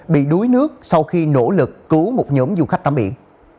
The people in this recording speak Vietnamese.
bị đuối nước sau khi nỗ lực cứu một nhóm du khách tắm biển